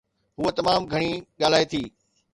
هوءَ تمام گهڻي ڳالهائي ٿي